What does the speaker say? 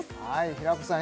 平子さん